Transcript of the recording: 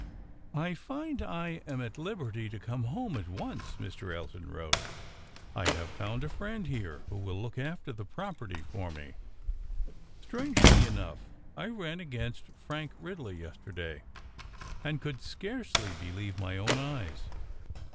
"I find I am at liberty to come home at once," Mr. Elton wrote. "I have found a friend here who will look after the property for me. Strangely enough, I ran against Frank Ridley yesterday, and could scarcely believe my own eyes.